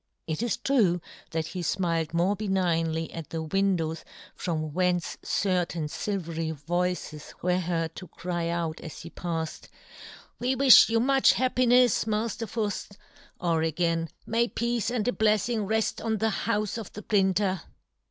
It is true that he fmiled more benignly at the win dows from whence certain filvery voices were heard to cry out as he pafled, " We wifh you much happi nefs, Mafter Fuft !" Or again, "May peace and a bleffing reft on the houfe of the printer